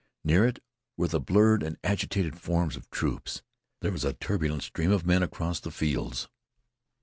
Near it were the blurred and agitated forms of troops. There came a turbulent stream of men across the fields.